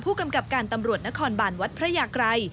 ผู้กำกับการตำรวจนครบานวัดพระยากรัย